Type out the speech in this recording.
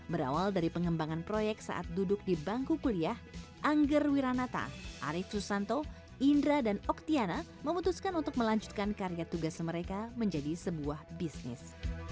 berawal dari pengembangan proyek saat duduk di bangku kuliah angger wiranata arief susanto indra dan oktiana memutuskan untuk melanjutkan karya tugas mereka menjadi sebuah bisnis